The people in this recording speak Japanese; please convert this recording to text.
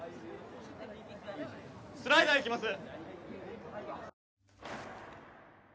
スライダーいきます